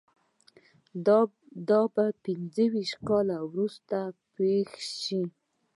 دا به پنځه ویشت کاله وروسته پېښ شي